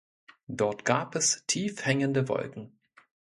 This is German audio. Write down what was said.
Dort gab es tief hängende Wolken.